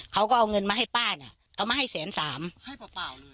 เขาก็เอาเงินมาให้ป้าน่ะเขามาให้แสนสามให้เปล่าเลย